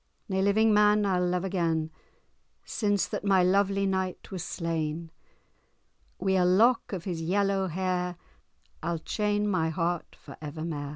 Nae living man I'll love again, Since that my lovely knight was slain, Wi' ae lock of his yellow hair, I'll chain my heart for evermair.